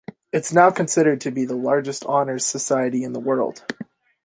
It's now considered to be the largest honors society in the world.